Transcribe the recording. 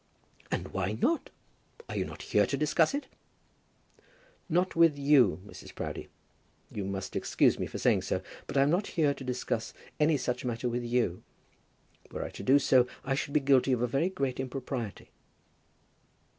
"And why not? Are you not here to discuss it?" "Not with you, Mrs. Proudie. You must excuse me for saying so, but I am not here to discuss any such matter with you. Were I to do so, I should be guilty of a very great impropriety."